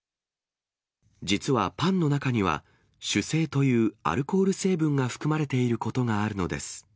実はパンの中には、酒精というアルコール成分が含まれていることがあるのです。